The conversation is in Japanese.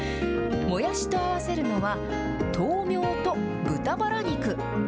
もやしと合わせるのは、豆苗と豚バラ肉。